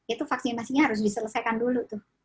itu vaksinasinya harus diselesaikan dulu tuh